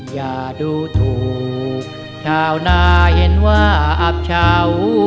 อย่าดูถูกชาวนาเห็นว่าอับเฉา